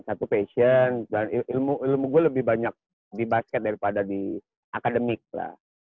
satu passion dan ilmu gue lebih banyak di basket daripada di akademik lah